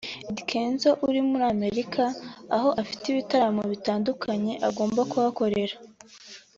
Eddy Kenzo uri muri Amerika aho afite ibitaramo bitandukanye agomba kuhakorera